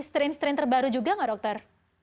strain strain terbaru juga nggak dokter